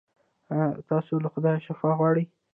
ایا تاسو له خدایه شفا غواړئ؟